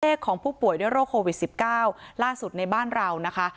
ของผู้ป่วยด้วยโรคโควิด๑๙ล่าสุดในบ้านเรานะคะ